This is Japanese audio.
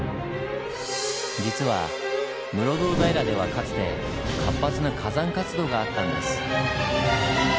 実は室堂平ではかつて活発な火山活動があったんです。